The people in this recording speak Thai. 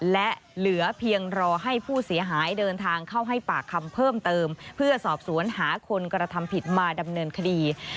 และเหลือเพียงรอให้ผู้เสียหายเดินทางเข้าให้ปากคำเพิ่มเติมเพื่อสอบสวนหาคนกระทำผิดมาดำเนินคดี